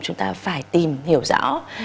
chúng ta phải tìm hiểu rõ